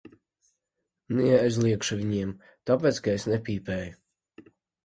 Neaizliegšu viņiem, tāpēc ka es nepīpēju.